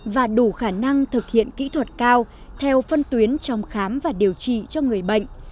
và đủ khả năng thực hiện kỹ thuật cao theo phân tuyến trong khám và điều trị cho người bệnh